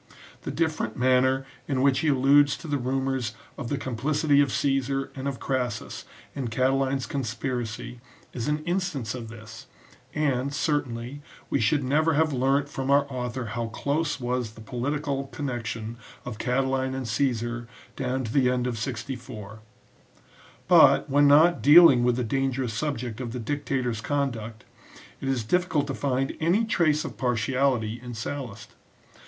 The different manner in which he alludes to the rumours of the complicity of Caesar and of Crassus in Catiline's conspiracy is an instance of this ; and, certainly, we should never have learnt from our author how close was the political connection of Catiline and Caesar down to the end of 64. But, when not dealing with the dangerous subject of the dictator s conduct, it is difficult to find any trace of partiality in Sallust.